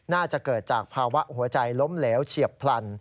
น่าจะเกิดจากภาวะหัวใจล้มเหลวเฉียบพลัน